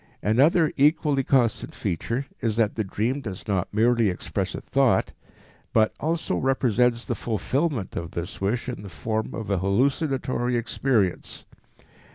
Another equally constant feature is that the dream does not merely express a thought, but also represents the fulfillment of this wish in the form of a hallucinatory experience.